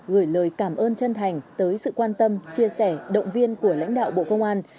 gửi lời cảm ơn chân thành tới sự quan tâm chia sẻ động viên của lãnh đạo bộ công an